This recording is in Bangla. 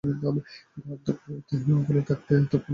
গর্দভ, ওতে যদি গুলি থাকতো, এতক্ষণে আমাদের উপর চালাতো।